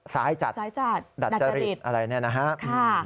ซ้ายจัดดัดจริตอะไรเนี่ยนะฮะ